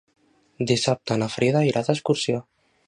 Dissabte na Frida irà d'excursió.